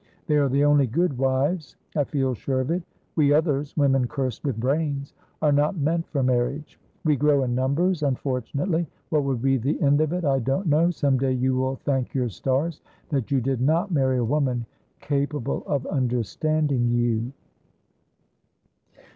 They are the only good wives; I feel sure of it. We otherswomen cursed with brainsare not meant for marriage. We grow in numbers, unfortunately. What will be the end of it, I don't know. Some day you will thank your stars that you did not marry a woman capable of understanding you."